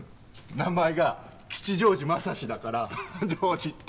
名前が吉祥寺雅史だからははっジョージって。